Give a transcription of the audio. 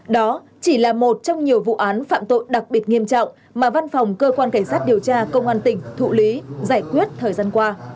đó chỉ là một trong nhiều vụ án phạm tội đặc biệt nghiêm trọng mà văn phòng cơ quan cảnh sát điều tra công an tỉnh thụ lý giải quyết thời gian qua